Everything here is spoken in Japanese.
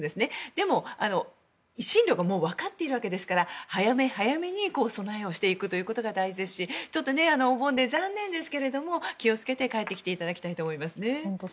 でも、進路がもうわかっているわけですから早め早めに備えをしていくことが大事ですしちょっとお盆で残念ですが気をつけて帰ってきていただきたいと思いますね。